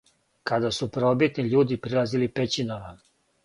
Када су првобитни људи прилазили пећинама